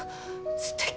すてき。